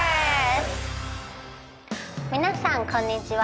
皆さんこんにちは。